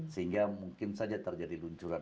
sehingga mungkin saja terjadi luncuran